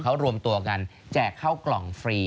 เขารวมตัวกันแจกเข้ากล่องฟรี